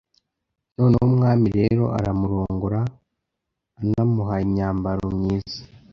noneho umwami rero aramurongora, anamuhaye imyambaro myiza,